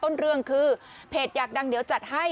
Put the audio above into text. ต้นเรื่องคือเพจอยากดังเดี๋ยวจัดให้